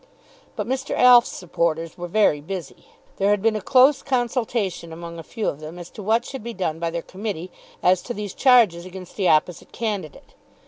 But Mr. Alf's supporters were very busy. There had been a close consultation among a few of them as to what should be done by their Committee as to these charges against the opposite candidate.